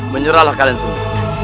menyerahlah kalian semua